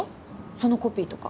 そのコピーとか。